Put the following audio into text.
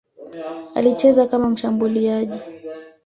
Alicheza kama mshambuliaji.